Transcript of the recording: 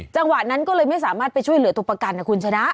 จังหวะนั้นก็เลยไม่สามารถไปช่วยเหลือตัวประกันนะคุณชนะ